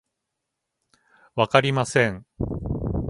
わかりません